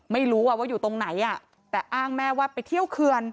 ไม่รู้ว่าอยู่ตรงไหนแต่อ้างแม่ว่าไปเที่ยวเคือน